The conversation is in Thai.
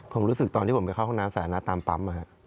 ผมรู้สึกตอนที่ผมไปเข้าห้องน้ำสาธารณะตามปั๊ม